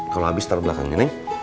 kalau habis taruh belakang ya neng